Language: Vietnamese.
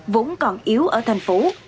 vốn còn yếu ở thành phố